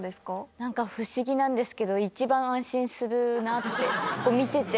何か不思議なんですけど一番安心するなって見てて。